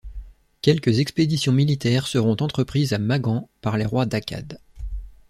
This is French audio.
Quelques expéditions militaires seront entreprises à Magan, par des rois d'Akkad.